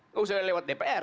tidak usah lewat dpr